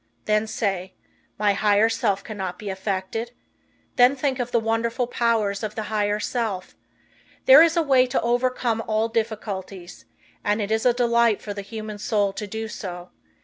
Then say: my higher self cannot be affected. Then think of the wonderful powers of the higher self. There is a way to overcome all difficulties, and it is a delight for the human soul to do so.